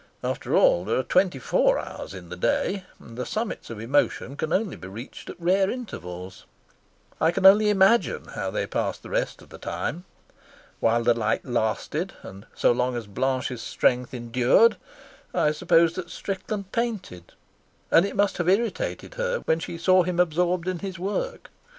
After all, there are twenty four hours in the day, and the summits of emotion can only be reached at rare intervals. I can only imagine how they passed the rest of the time. While the light lasted and so long as Blanche's strength endured, I suppose that Strickland painted, and it must have irritated her when she saw him absorbed in his work.